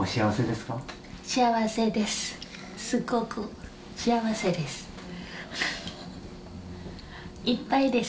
すっごく幸せです。